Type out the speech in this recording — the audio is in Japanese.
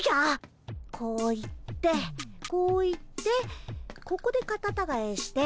こう行ってこう行ってここでカタタガエして。